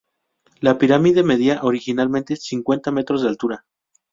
La pirámide medía originalmente cincuenta metros de altura.